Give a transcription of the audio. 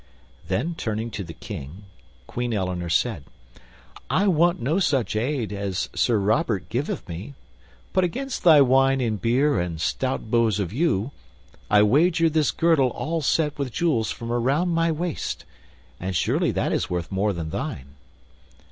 Then turning to the King, Queen Eleanor said, "I want no such aid as Sir Robert giveth me; but against thy wine and beer and stout bows of yew I wager this girdle all set with jewels from around my waist; and surely that is worth more than thine."